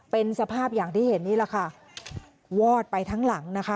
เป็นสภาพอย่างที่เห็นนี่แหละค่ะวอดไปทั้งหลังนะคะ